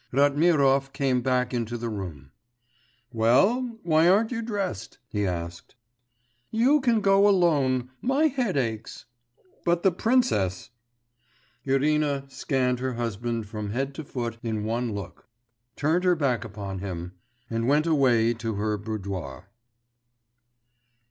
Ratmirov came back into the room. 'Well, why aren't you dressed?' he asked. 'You can go alone; my head aches.' 'But the princess....' Irina scanned her husband from head to foot in one look, turned her back upon him, and went away to her boudoir.